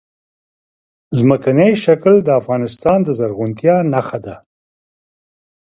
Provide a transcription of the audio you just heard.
ځمکنی شکل د افغانستان د زرغونتیا نښه ده.